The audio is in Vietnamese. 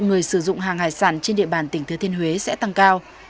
nên việc sử dụng hàng hải sản trên địa bàn tỉnh thứa thiên huế sẽ tăng cao